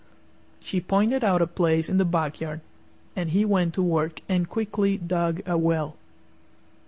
She pointed out a place in the backyard, and he went to work and quickly dug a well.